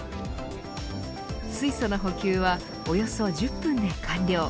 水素の補給はおよそ１０分で完了。